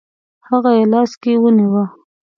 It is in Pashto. هغه یې لاس کې ونیوه.